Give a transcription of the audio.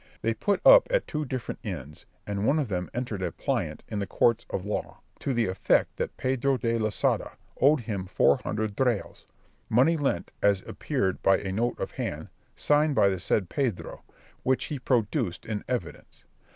They put up at two different inns, and one of them entered a plaint in the courts of law, to the effect that Pedro de Losada owed him four hundred reals, money lent, as appeared by a note of hand, signed by the said Pedro, which he produced in evidence.